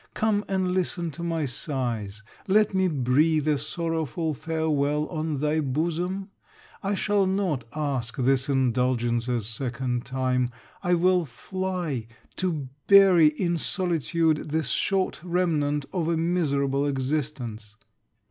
Come and listen to my sighs: let me breathe a sorrowful farewel on thy bosom. I shall not ask this indulgence a second time. I will fly, to bury in solitude the short remnant of a miserable existence.